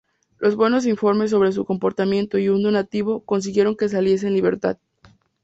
Los buenos informes sobre su comportamiento y un "donativo" consiguieron que saliese en libertad.